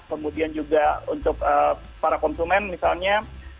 kemudian juga untuk para konsumen misalnya